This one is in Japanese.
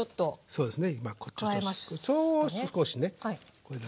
そうですね。